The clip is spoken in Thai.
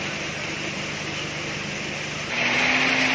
หมาถว่านน้ำก็ได้